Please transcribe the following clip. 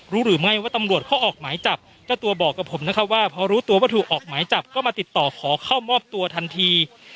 หรือไม่ว่าตำรวจเขาออกหมายจับเจ้าตัวบอกกับผมนะครับว่าพอรู้ตัวว่าถูกออกหมายจับก็มาติดต่อขอเข้ามอบตัวทันที